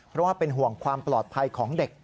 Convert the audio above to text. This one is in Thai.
เพราะว่าเป็นห่วงความปลอดภัยของเด็ก